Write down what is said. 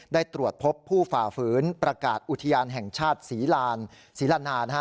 ได้ตรวจพบผู้ฝ่าฝืนประกาศอุทยานแห่งชาติศรีลานศรีละนา